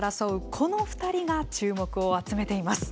この２人が注目を集めています。